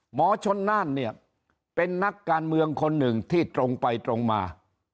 หมอชนน่านเนี่ยเป็นนักการเมืองคนหนึ่งที่ตรงไปตรงมา